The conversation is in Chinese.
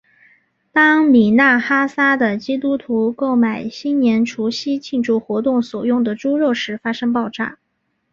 当米纳哈萨的基督徒购买新年除夕庆祝活动所用的猪肉时发生爆炸。